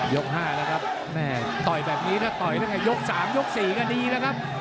ยก๕แล้วครับแม่ต่อยแบบนี้ถ้าต่อยยก๓ยก๔ก็ดีแล้วครับ